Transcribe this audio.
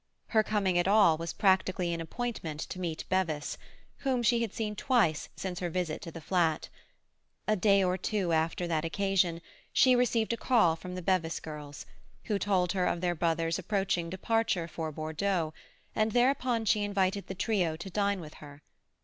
Her coming at all was practically an appointment to meet Bevis, whom she had seen twice since her visit to the flat. A day or two after that occasion, she received a call from the Bevis girls, who told her of their brother's approaching departure for Bordeaux, and thereupon she invited the trio to dine with her.